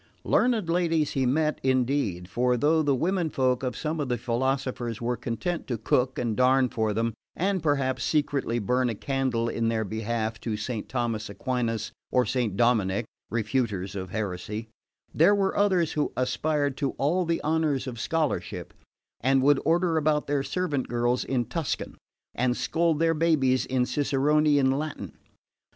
Learned ladies he met, indeed; for though the women folk of some of the philosophers were content to cook and darn for them (and perhaps secretly burn a candle in their behalf to Saint Thomas Aquinas or Saint Dominick, refuters of heresy), there were others who aspired to all the honours of scholarship, and would order about their servant girls in Tuscan, and scold their babies in Ciceronian Latin.